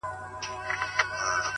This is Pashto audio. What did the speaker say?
هره ورځ به يې و غلا ته هڅولم.!